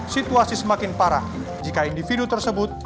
situasi semakin parah jika individu tersebut